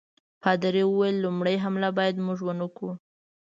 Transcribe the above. پادري وویل لومړی حمله باید موږ ونه کړو.